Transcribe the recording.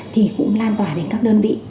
thì cũng lan tỏa đến các đơn vị